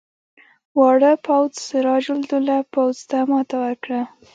واړه پوځ سراج الدوله پوځ ته ماته ورکړه.